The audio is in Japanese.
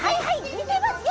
みてますよ